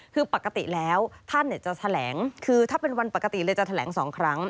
คือปกติแล้วท่านจะแถลงคือถ้าเป็นวันปกติเลยจะแถลง๒ครั้ง